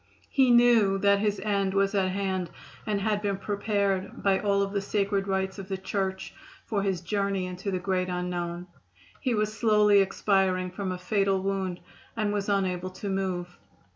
He knew that his end was at hand and had been prepared by all of the sacred rites of the Church for his journey into the great unknown. He was slowly expiring from a fatal wound and was unable to move.